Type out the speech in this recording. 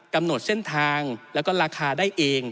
กำหนดเส้นทางแล้วก็ราคาได้เอง